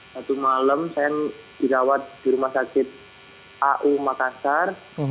satu malam saya dirawat di rumah sakit au makassar